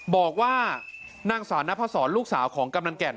บอกว่านางสาวนพศรลูกสาวของกำนันแก่น